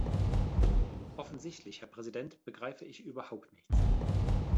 Offensichtlich, Herr Präsident, begreife ich überhaupt nichts.